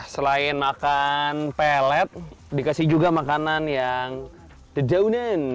selain makan pelet dikasih juga makanan yang terjaunan